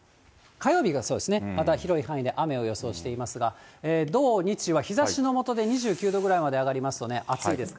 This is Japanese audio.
火曜日がまた広い範囲で雨を予想していますが、土、日は日ざしのもとで２９度ぐらいまで上がりますので、暑いです。